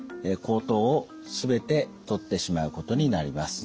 喉頭を全て取ってしまうことになります。